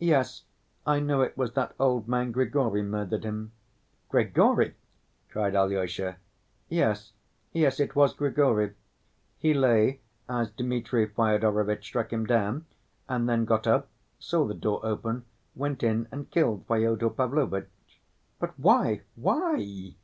"Yes, I know it was that old man Grigory murdered him." "Grigory?" cried Alyosha. "Yes, yes; it was Grigory. He lay as Dmitri Fyodorovitch struck him down, and then got up, saw the door open, went in and killed Fyodor Pavlovitch." "But why, why?"